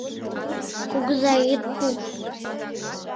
Кугызай, ит пу.